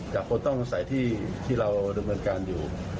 จากคนต้องใส่ที่ที่เราระเมินการอยู่